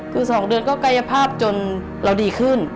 คือ๒เดือนก็กายภาพจนเราดีขึ้น